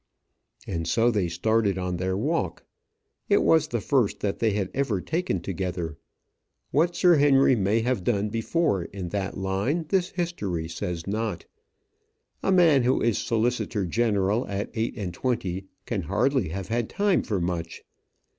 And so they started on their walk. It was the first that they had ever taken together. What Sir Henry may have done before in that line this history says not. A man who is solicitor general at eight and twenty can hardly have had time for much.